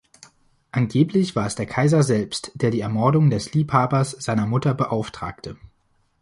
Angeblich war es der Kaiser selbst der die Ermordung des Liebhabers seiner Mutter beauftragte.